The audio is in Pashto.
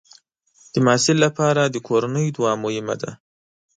د محصل لپاره د کورنۍ دعا مهمه ده.